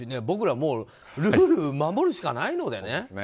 僕らもうルールを守るしかないのでね。